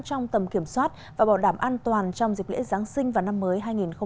trong tầm kiểm soát và bảo đảm an toàn trong dịp lễ giáng sinh và năm mới hai nghìn hai mươi